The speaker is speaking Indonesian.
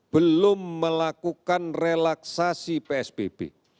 belum melakukan relaksasi psbb